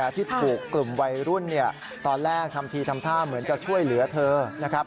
ที่ถูกกลุ่มวัยรุ่นตอนแรกทำทีทำท่าเหมือนจะช่วยเหลือเธอนะครับ